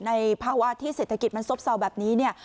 ในภาวะที่เศรษฐกิจมันซ่อบแบบนี้